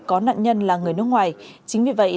có nạn nhân là người nước ngoài chính vì vậy